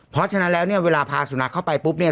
เพราะฉะนั้นแล้วเนี่ยเวลาพาสุนัขเข้าไปปุ๊บเนี่ย